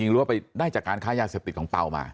หรือว่าไปได้จากการค้ายาเสพติดของเปล่ามา